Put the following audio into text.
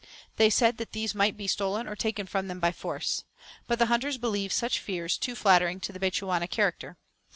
They said that these might be stolen or taken from them by force. But the hunters believed such fears too flattering to the Bechuana character.